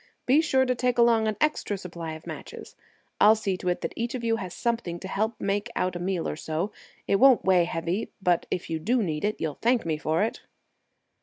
"Be sure to take along an extra supply of matches. I'll see to it that each of you has something to help make out a meal or so. It won't weigh heavy; but if you do need it you'll thank me for it."